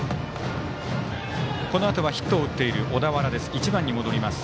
このあとはヒットを打っている小田原です。